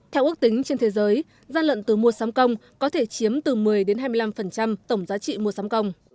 theo ước tính trên thế giới gian lận từ mua sắm công có thể chiếm từ một mươi hai mươi năm tổng giá trị mua sắm công